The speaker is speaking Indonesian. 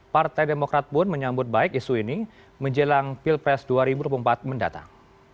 partai demokrat pun menyambut baik isu ini menjelang pilpres dua ribu dua puluh empat mendatang